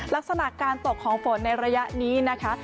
ลักษณะการตกของฝนในระยะนี้นะคะ